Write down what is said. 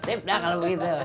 sip dah kalo begitu